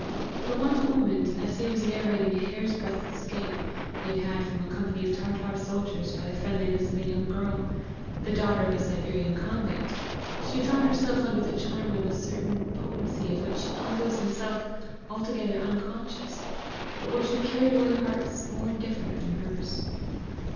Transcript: For one moment, as he was narrating a hair's breadth escape he had had from a company of Tartar soldiers by the friendliness of a young girl, the daughter of a Siberian convict, she found herself under the charm of a certain potency of which he was himself altogether unconscious, but which had carried away hearts more indifferent than hers.